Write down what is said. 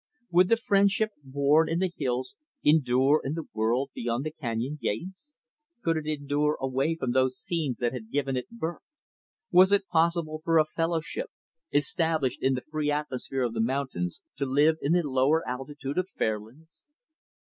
Would the friendship born in the hills endure in the world beyond the canyon gates? Could it endure away from those scenes that had given it birth? Was it possible for a fellowship, established in the free atmosphere of the mountains, to live in the lower altitude of Fairlands?